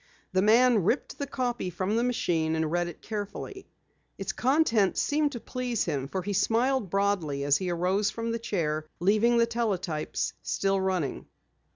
The man ripped the copy from the machine and read it carefully. Its contents seemed to please him for he smiled broadly as he arose from the chair, leaving the teletypes still running.